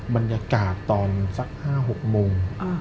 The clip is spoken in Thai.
บรรยากาศตอนสัก๕๖โมง